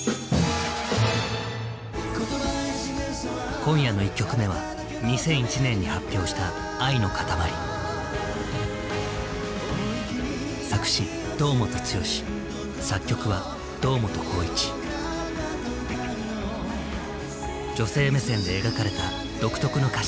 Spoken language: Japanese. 今夜の１曲目は２００１年に発表した女性目線で描かれた独特の歌詞